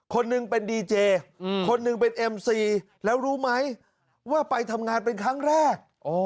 คนหนึ่งเป็นดีเจคนหนึ่งเป็นเอ็มซีแล้วรู้ไหมว่าไปทำงานเป็นครั้งแรก